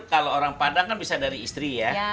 kalau orang padang kan bisa dari istri ya